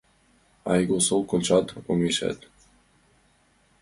Да эсогыл кончат омешат.